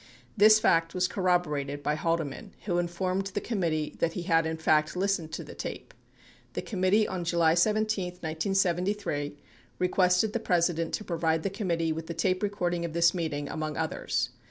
39 This fact was corroborated by Halde man who informed the committee that he had in fact listened to the tape. 40 The committee on July 17, 1978, requested the President to pro vide the committee with the tape recording of this meeting, among others.